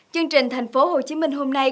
chương trình thành phố hồ chí minh hôm nay